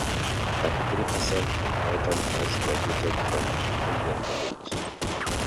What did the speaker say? Thirty-three percent of Brighton has graduated from a four-year college.